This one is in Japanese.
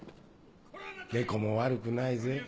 猫も悪くないぜ。